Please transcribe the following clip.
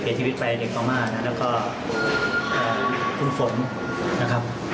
พิเศษที่พิเศษไปเด็กต่อมาแล้วก็คุณฝนนะครับ